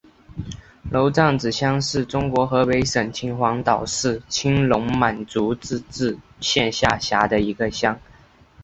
娄杖子乡是中国河北省秦皇岛市青龙满族自治县下辖的一个乡。